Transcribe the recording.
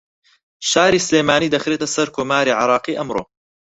شاری سلێمانی دەخرێتە سەر کۆماری عێراقی ئەمڕۆ